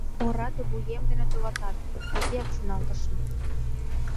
Ораде вуем дене, товатат, тыгеак шоналтышым.